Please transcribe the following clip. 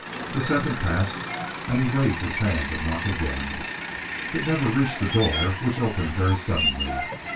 A second passed, and he raised his hand to knock again. It never reached the door, which opened very suddenly.